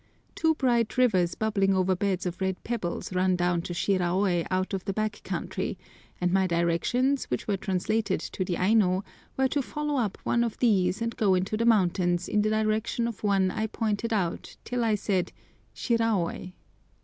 Two bright rivers bubbling over beds of red pebbles run down to Shiraôi out of the back country, and my directions, which were translated to the Aino, were to follow up one of these and go into the mountains in the direction of one I pointed out till I said "Shiraôi."